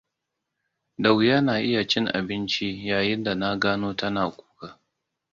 Da wuya na iya cin abinci yayin da na gano tana kuka.